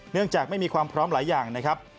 จากไม่มีความพร้อมหลายอย่างนะครับ